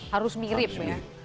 harus mirip ya